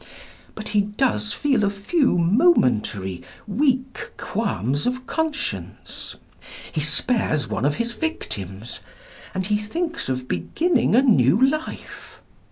But he does feel a few momentary, weak qualms of conscience. He spares one of his victims, and he thinks of beginning a new life.